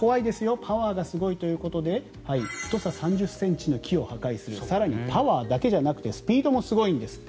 パワーがすごいということで太さ３０ｃｍの木を破壊する更にパワーだけじゃなくてスピードもすごいんですって。